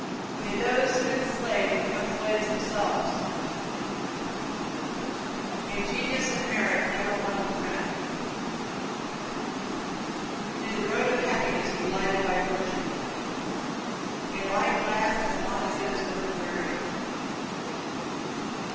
May those who would enslave become slaves themselves. May genius and merit never want a friend. May the road of happiness be lighted by virtue. May life last as long as it is worth wearing.